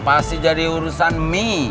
pasti jadi urusan me